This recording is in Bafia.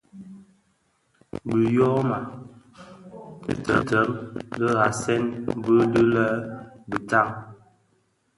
Bi tyoma tidëň dhasèn bè lè dhi bitaň.